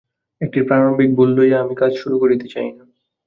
একটি প্রারম্ভিক ভুল লইয়া আমি কাজ শুরু করিতে চাই না।